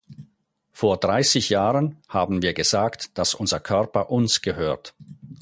Vor dreißig Jahren haben wir gesagt, dass unser Körper uns gehört.